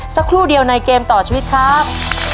สักครู่เดียวในเกมต่อชีวิตครับ